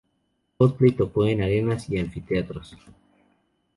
Coldplay tocó en arenas y anfiteatros.